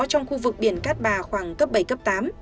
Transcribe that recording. trong khu vực biển cát bà khoảng cấp bảy cấp tám